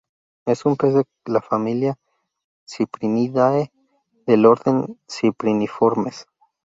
Es un pez de la familia Cyprinidae del orden Cypriniformes.